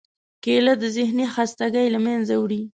کېله د ذهنی خستګۍ له منځه وړي.